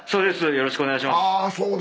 よろしくお願いします。